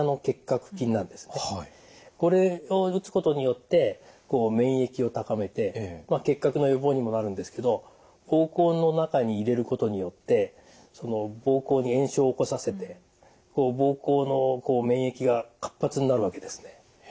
これを打つことによって免疫を高めて結核の予防にもなるんですけど膀胱の中に入れることによって膀胱に炎症を起こさせて膀胱の免疫が活発になるわけですね。